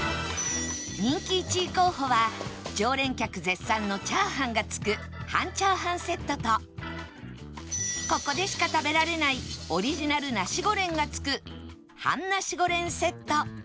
人気１位候補は常連客絶賛のチャーハンが付く半チャーハンセットとここでしか食べられないオリジナルナシゴレンが付く半ナシゴレンセット